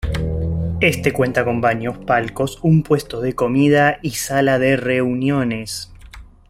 Este cuenta con baños, palcos, un puesto de comida y sala de reuniones.